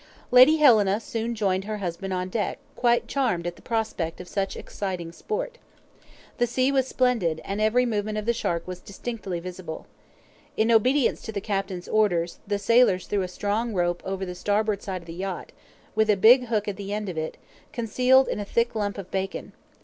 Lady Helena soon joined her husband on deck, quite charmed at the prospect of such exciting sport. The sea was splendid, and every movement of the shark was distinctly visible. In obedience to the captain's orders, the sailors threw a strong rope over the starboard side of the yacht, with a big hook at the end of it, concealed in a thick lump of bacon.